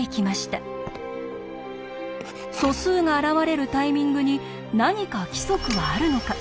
素数が現れるタイミングに何か規則はあるのか？